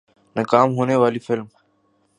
ناکام ہونے والی فلم